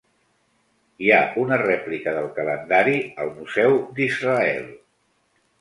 Hi ha una rèplica del calendari al Museu d'Israel.